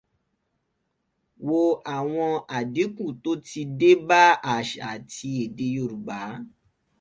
Wo àwọn àdínkù tó ti dé bá àṣà àti èdè Yorùbá.